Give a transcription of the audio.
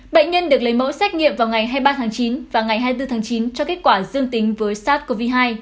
bệnh nhân được lấy mẫu xét nghiệm vào ngày hai mươi ba tháng chín và ngày hai mươi bốn tháng chín cho kết quả dương tính với sars cov hai